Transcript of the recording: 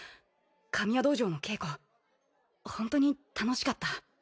神谷道場の稽古ホントに楽しかった。